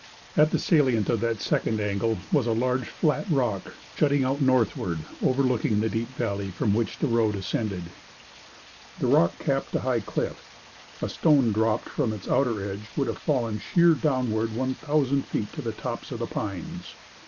At the salient of that second angle was a large flat rock, jutting out northward, overlooking the deep valley from which the road ascended. The rock capped a high cliff; a stone dropped from its outer edge would have fallen sheer downward one thousand feet to the tops of the pines.